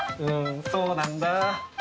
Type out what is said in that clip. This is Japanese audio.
うんそうなんだ。